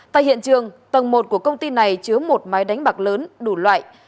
tại hiện trường tầng một của công ty này chứa một máy đánh bạc lớn đủ loại